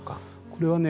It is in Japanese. これはね